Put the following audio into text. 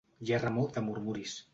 Hi ha remor de murmuris.